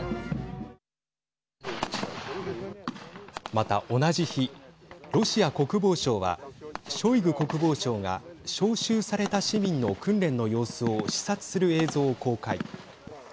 また、同じ日ロシア国防省はショイグ国防相が招集された市民の訓練の様子を視察する映像を公開。